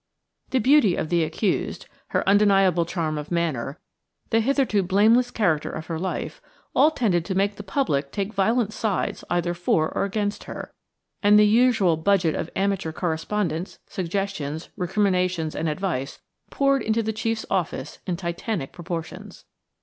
The beauty of the accused, her undeniable charm of manner, the hitherto blameless character of her life, all tended to make the public take violent sides either for or against her, and the usual budget of amateur correspondence, suggestions, recriminations and advice poured into the chief's office in titanic proportions.